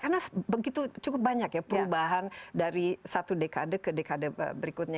karena begitu cukup banyak ya perubahan dari satu dekade ke dekade berikutnya